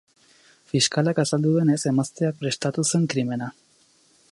Fiskalak azaldu duenez, emazteak prestatu zuen krimena.